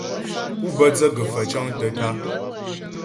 Pú bə́ dzə gə̀faə̀ cəŋtə́ tǎ'a.